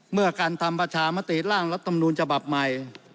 เมื่อการทำประชามติร่างรัฐมนูลฉบับใหม่